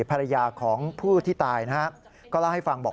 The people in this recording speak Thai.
ภรรยาของผู้ที่ตายนะฮะก็เล่าให้ฟังบอก